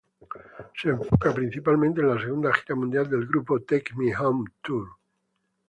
Se enfoca principalmente en la segunda gira mundial del grupo Take Me Home Tour.